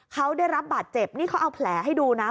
เขาได้รับบาดเจ็บนี่เขาเอาแผลให้ดูนะ